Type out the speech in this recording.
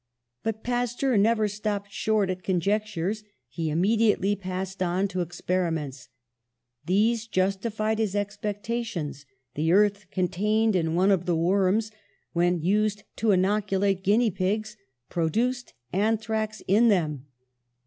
But Pasteur never stopped short at conjectures. He immediately passed on to ex periments. These justified his expectations: the earth contained in one of the worms, when used to inoculate guinea pigs, produced anthrax in them."